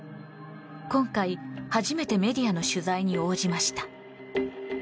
今回、初めてメディアの取材に応じました。